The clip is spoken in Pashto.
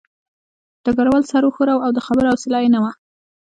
ډګروال سر وښوراوه او د خبرو حوصله یې نه وه